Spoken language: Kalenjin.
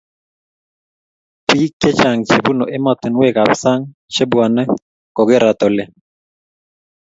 bik chechang chebunu ematunwek ab sang chebwane kokerat oli